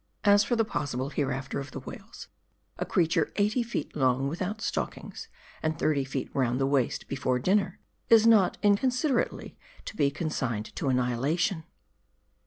As for the possible hereafter of the whales ; a creature eighty feet long without stockings, and thirty feet round the waist before dinner, is not inconsiderately to be consigned to annihilation.